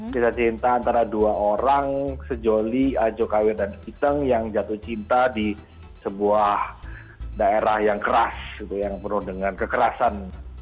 kita cinta antara dua orang sejoli ajokawi dan iteng yang jatuh cinta di sebuah daerah yang keras yang penuh dengan kekerasan